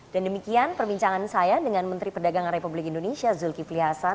dan demikian perbincangan saya dengan menteri perdagangan republik indonesia zulkiflihasa